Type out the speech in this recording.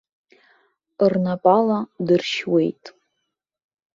Рнапала дыршьуеит.